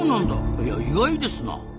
いや意外ですな。